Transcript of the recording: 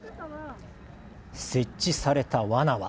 設置されたわなは。